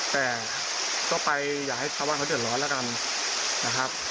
แต่ต่อไปอย่าให้ชาวบ้านเขาเดินร้อนละกันนะครับ